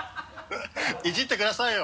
イジってくださいよ。